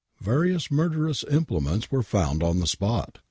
Various murderous implements were found on the spot.